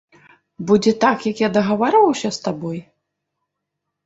Будзе так, як я дагаварваўся з табой?